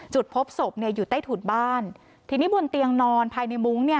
จุดพบศพอยู่ใต้ถุดบ้านที่นี่บนเตียงนอนภายในมุ้ง